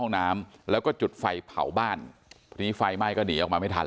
น้ำแล้วก็จุดไฟเผาบ้านทีนี้ไฟไหม้ก็หนีออกมาไม่ทัน